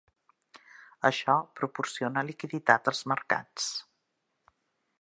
Això proporciona liquiditat als mercats.